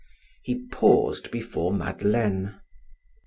He paused before Madeleine.